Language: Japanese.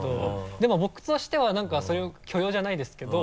でも僕としては何かそういう許容じゃないですけど。